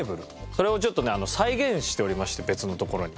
それをちょっとね再現しておりまして別の所に。